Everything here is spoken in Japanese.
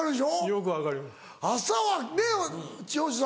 よく分かります。